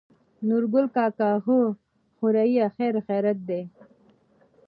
نورګل کاکا: هو خورې خېرخېرت دى.